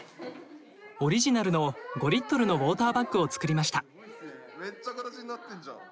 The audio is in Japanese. オリジナルの５リットルのウォーターバッグを作りました。